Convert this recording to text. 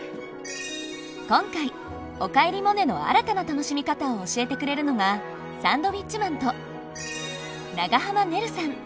今回「おかえりモネ」の新たな楽しみ方を教えてくれるのがサンドウィッチマンと長濱ねるさん。